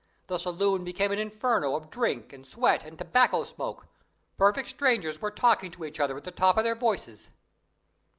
The saloon became an inferno of drink and sweat and tobacco smoke. Perfect strangers were talking to each other at the top of their voices.